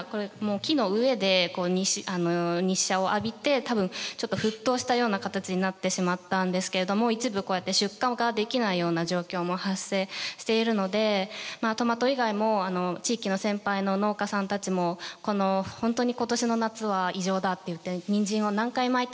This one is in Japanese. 木の上で日射を浴びて多分ちょっと沸騰したような形になってしまったんですけれども一部こうやって出荷ができないような状況も発生しているのでトマト以外も地域の先輩の農家さんたちも本当に今年の夏は異常だっていってニンジンを何回まいても発芽しない。